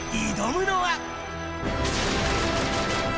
挑むのは。